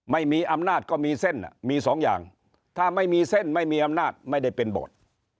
ไม่มีอำนาจก็มีเส้นมีสองอย่างถ้าไม่มีเส้นไม่มีอำนาจไม่ได้เป็นโบสถ์